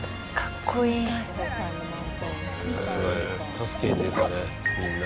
助けに出たねみんな。